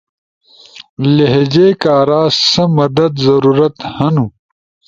لہجے کارا سا مدد ضرورت ہنو؟